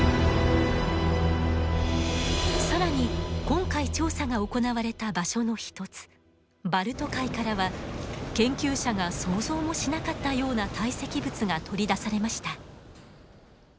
更に今回調査が行われた場所の一つバルト海からは研究者が想像もしなかったような堆積物が取り出されました。